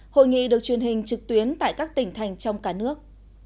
hội nghị được truyền hình trực tuyến tại các tỉnh thành trong cả nước